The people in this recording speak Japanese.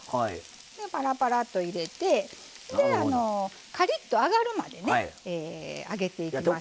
パラパラっと入れてカリッと揚がるまでね揚げていきます。